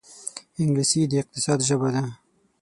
انګلیسي د اقتصاد ژبه ده